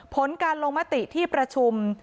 ผลการลงมติที่ประชุม